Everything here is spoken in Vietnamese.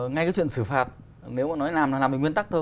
ngay cái chuyện xử phạt nếu mà nói làm là làm được nguyên tắc thôi